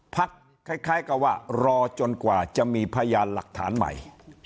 พักคล้ายกับว่ารอจนกว่าจะมีพยานหลักฐานใหม่